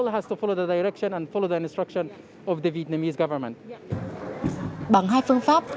bằng hai phương pháp